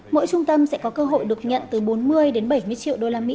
mỗi trung tâm sẽ có cơ hội được nhận từ bốn mươi đến bảy mươi triệu đô la mỹ